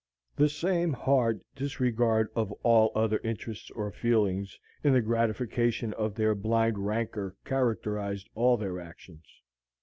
The same hard disregard of all other interests or feelings in the gratification of their blind rancor characterized all their actions.